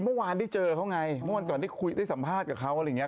เมื่อวานได้เจอเขาไงเมื่อวันก่อนได้คุยได้สัมภาษณ์กับเขาอะไรอย่างเง